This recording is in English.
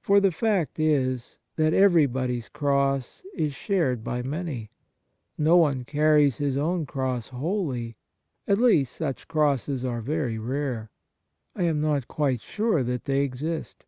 For the fact is, that everybody's cross is shared by many. No one carries his own cross wholly ; at least, such crosses are very rare. I am not quite sure that they exist.